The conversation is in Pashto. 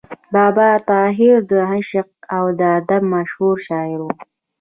بابا طاهر د عشق او ادب مشهور شاعر و.